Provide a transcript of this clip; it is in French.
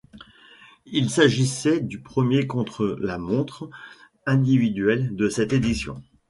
Il s'agissait du premier contre-la-montre individuel de cette édition.